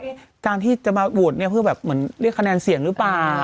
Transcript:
การที่จะมาโหวตเนี่ยเพื่อแบบเหมือนเรียกคะแนนเสียงหรือเปล่า